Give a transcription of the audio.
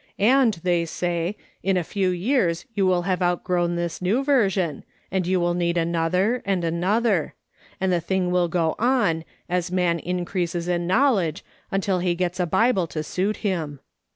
' And,' say they, ' in a few years you will have outgrown this New Aversion, and you will need another, and another ; and the thing will go on, as man increases in knowledge, until he gets a Bible to suit him.'